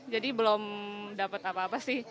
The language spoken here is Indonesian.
jadi belum dapet apa apa sih